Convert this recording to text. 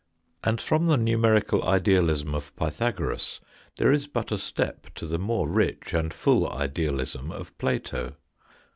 And from the numerical idealism of Pythagoras there is but a step to the more rich and full idealism of Plato.